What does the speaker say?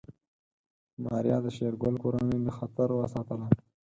ماريا د شېرګل کورنۍ له خطر وساتله.